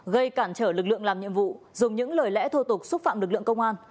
gây cản trở lực lượng làm nhiệm vụ dùng những lời lẽ thô tục xúc phạm lực lượng công an